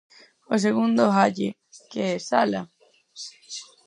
O segundo Halle, que é sala.